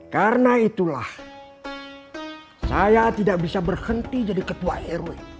karena itulah saya tidak bisa berhenti jadi ketua rw